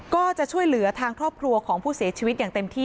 ก็จะช่วยเหลือทางครอบครัวของผู้เสียชีวิตอย่างเต็มที่